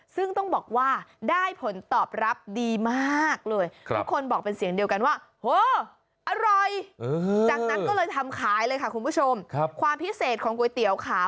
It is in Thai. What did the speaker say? ซึ่งต้องบอกว่าได้ผลตอบรับดีมากเลย